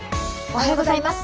おはようございます。